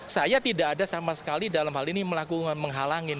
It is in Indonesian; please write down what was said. saya tidak ada sama sekali dalam hal ini melakukan menghalangin